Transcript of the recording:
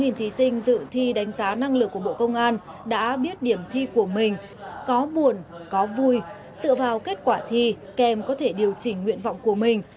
nhiều thí sinh dự thi đánh giá năng lực của bộ công an đã biết điểm thi của mình có buồn có vui dựa vào kết quả thi kèm có thể điều chỉnh nguyện vọng của mình